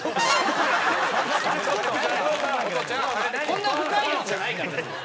こんな深いやつじゃないから。